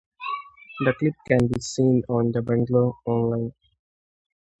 The clip can be seen on "Da Bungalow Online".